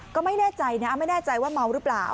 ก็ไม่แน่ใจนะไม่แน่ใจว่าเมาหรือเปล่า